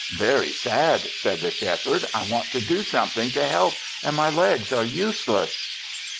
"Very sad," said the Shepherd. "I want to do something to help and my legs are useless."